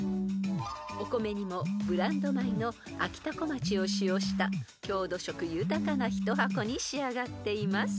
［お米にもブランド米のあきたこまちを使用した郷土色豊かな一箱に仕上がっています］